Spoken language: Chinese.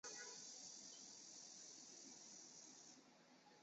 兴梠里美是一名日本女性声优。